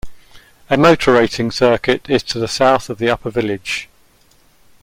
A motor racing circuit is to the south of the upper village.